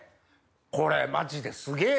これマジですげぇ！